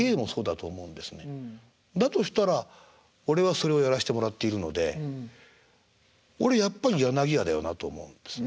だとしたら俺はそれをやらしてもらっているので俺やっぱり柳家だよなと思うんですね。